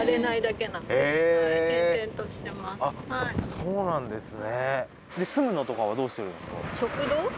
そうなんですね。